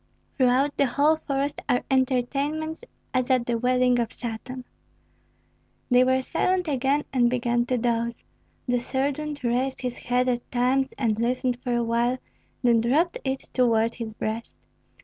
"Throughout the whole forest are entertainments as if at the wedding of Satan." They were silent again and began to doze. The sergeant raised his head at times and listened for a while, then dropped it toward his breast.